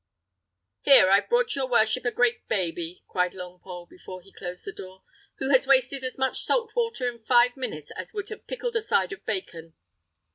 "Here, I've brought your worship a great baby," cried Longpole, before he closed the door, "who has wasted as much salt water in five minutes as would have pickled a side of bacon."